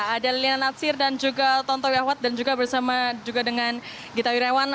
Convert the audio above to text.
ada liliana natsir dan juga tonto yahwat dan juga bersama dengan gita wirjawan